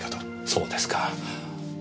そうですか。